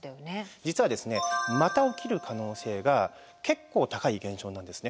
実はですねまた起きる可能性が結構高い現象なんですね。